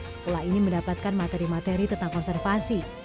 sekolah ini mendapatkan materi materi tentang konservasi